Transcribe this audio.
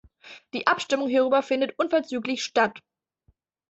Die Abstimmung hierüber findet unverzüglich statt."